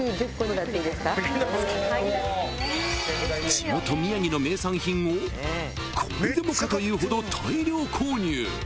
［地元宮城の名産品をこれでもかというほど大量購入］